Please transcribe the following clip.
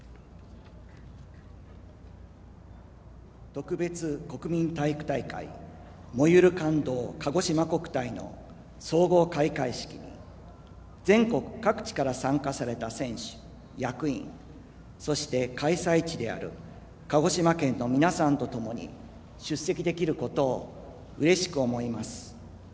特別国民体育大会「燃ゆる感動かごしま国体」の総合開会式に全国各地から参加された選手、役員、そして開催地である鹿児島県の皆さんと共に出席できることをうれしく思います。